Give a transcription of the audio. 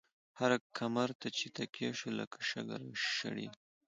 هر کمر ته چی تکيه شو، لکه شګه را شړيږی